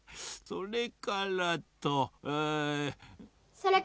それから？